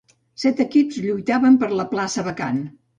Set equips lluitaven per la plaça vacant.